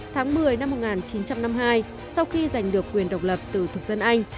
tháng một mươi năm một nghìn chín trăm năm mươi hai sau khi giành được quyền độc lập từ thực dân anh